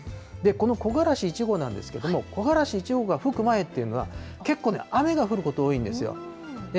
この木枯らし１号なんですけれども、木枯らし１号が吹く前っていうのは、結構ね、雨が降ること多いんですよ。